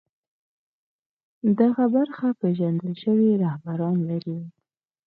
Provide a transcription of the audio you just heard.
دغه برخه پېژندل شوي رهبران لري